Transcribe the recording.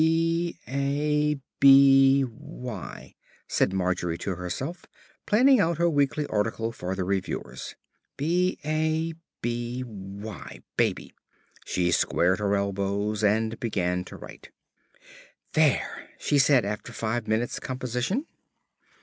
"B a b y," said Margery to herself, planning out her weekly article for the Reviews. "B a b y, baby." She squared her elbows and began to write.... "There!" she said, after five minutes' composition.